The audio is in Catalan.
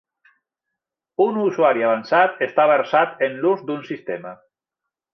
Un usuari avançat està versat en l'ús d'un sistema.